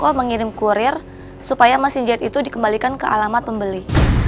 wah mengirim kurir supaya mesin jahit itu dikembalikan ke alamat pembeli